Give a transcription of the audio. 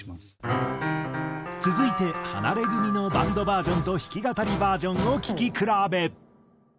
続いてハナレグミのバンドバージョンと弾き語りバージョンを聴き比べ。